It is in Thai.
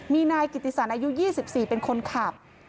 มีนายกิติสันอายุ๒๔เป็นคนขับ